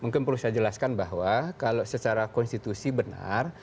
mungkin perlu saya jelaskan bahwa kalau secara konstitusi benar